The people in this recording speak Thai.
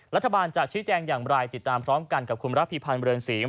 รัฐบาลจะชี้แจงอย่างไรติดตามพร้อมกันกับคุณรับพิพันธ์เรือนศรี